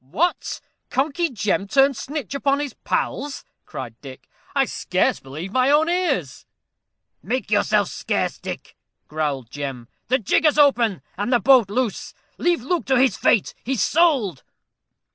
"What! Conkey Jem turned snitch upon his pals?" cried Dick; "I scarce believe my own ears." "Make yourself scarce, Dick," growled Jem; "the jigger's open, and the boat loose. Leave Luke to his fate. He's sold."